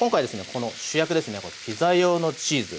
この主役ですねピザ用のチーズ。